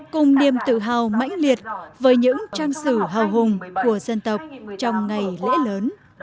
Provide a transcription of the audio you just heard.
cùng niềm tự hào mãnh liệt với những trang sử hào hùng của dân tộc trong ngày lễ lớn